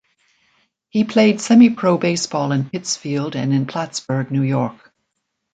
He played semipro baseball in Pittsfield and in Plattsburgh, New York.